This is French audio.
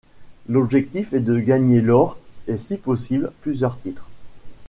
L'objectif est de gagner l'or et si possible plusieurs titres.